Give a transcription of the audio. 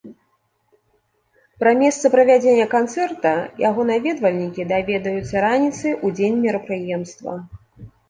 Пра месца правядзення канцэрта яго наведвальнікі даведаюцца раніцай у дзень мерапрыемства.